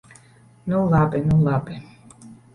Nu labi, nu labi!